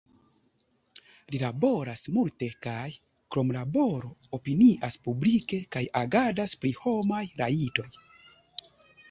Li laboras multe kaj, krom laboro, opinias publike kaj agadas pri homaj rajtoj.